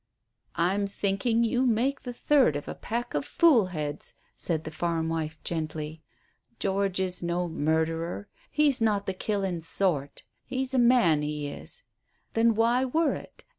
"I'm thinking you make the third of a pack of fool heads," said the farm wife gently. "George is no murderer, he's not the killin' sort. He's a man, he is. Then why worrit?